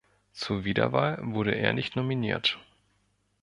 Zur Wiederwahl wurde er nicht nominiert.